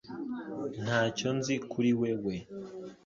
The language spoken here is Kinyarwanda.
Ntacyo nzi kuri wewe